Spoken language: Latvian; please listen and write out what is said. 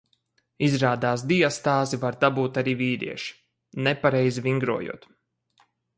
Izrādās diastāzi var dabūt arī vīrieši, nepareizi vingrojot.